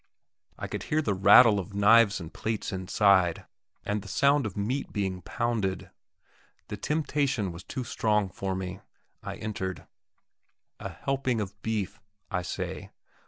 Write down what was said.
I could hear the rattle of knives and plates inside, and the sound of meat being pounded. The temptation was too strong for me I entered. "A helping of beef," I say.